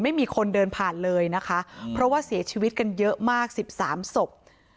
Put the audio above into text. ไม่มีคนเดินผ่านเลยนะคะเพราะว่าเสียชีวิตกันเยอะมากสิบสามศพ